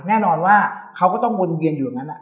แน่นอนว่าเขาก็ต้องวนเวียนอยู่ตรงนั้น